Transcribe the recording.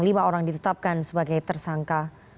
lima orang ditetapkan sebagai tersangka